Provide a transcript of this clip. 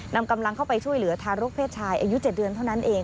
นำกำลังเข้าไปช่วยเหลือทารกเพศชายอายุ๗เดือนเท่านั้นเอง